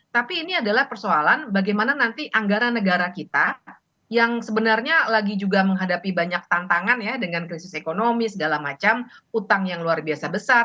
tapi ini adalah persoalan bagaimana nanti anggaran negara kita yang sebenarnya lagi juga menghadapi banyak tantangan ya dengan krisis ekonomi segala macam utang yang luar biasa besar